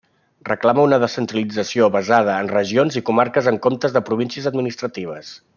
Reclama una descentralització basada en regions i comarques en comptes de províncies administratives.